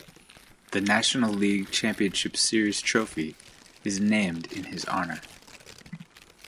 The National League Championship Series trophy is named in his honor.